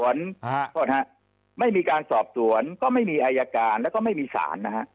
ขอบคุณครับไม่มีการสอบสวนก็ไม่มีอายการและก็ไม่มีศาลนะฮะ